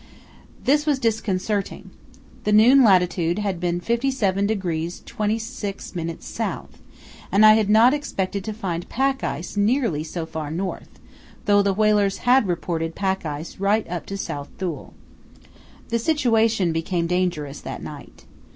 This was disconcerting. The noon latitude had been 57° 26´ S., and I had not expected to find pack ice nearly so far north, though the whalers had reported pack ice right up to South Thule. The situation became dangerous that night.